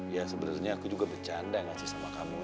ya sebenarnya aku juga bercanda ngasih sama kamu